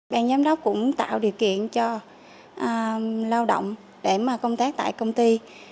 bàn giám đốc cũng tạo điều kiện cho lao động để công tác tại công ty